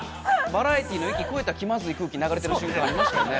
バラエティーの域越えた気まずい雰囲気流れてるときありましたね。